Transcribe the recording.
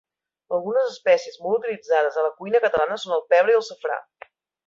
Algunes espècies molt utilitzades a la cuina catalana són el pebre i el safrà.